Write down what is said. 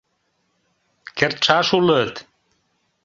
— Кертшаш улыт...